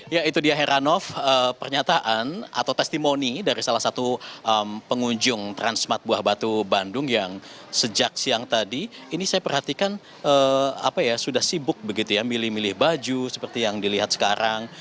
ya itu dia heranov pernyataan atau testimoni dari salah satu pengunjung transmat buah batu bandung yang sejak siang tadi ini saya perhatikan sudah sibuk begitu ya milih milih baju seperti yang dilihat sekarang